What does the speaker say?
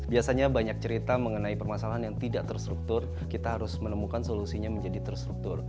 biasanya banyak cerita mengenai permasalahan yang tidak terstruktur kita harus menemukan solusinya menjadi terstruktur